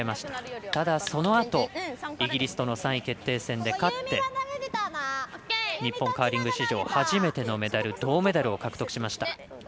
ただ、そのあとイギリスとの３位決定戦で勝って日本カーリング史上初めてのメダル銅メダルを獲得しました。